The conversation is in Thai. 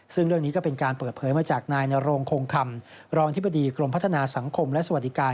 ซึ่งเรื่องนี้ก็เป็นการเปิดเผยมาจากนายนโรงคงคำรองอธิบดีกรมพัฒนาสังคมและสวัสดิการ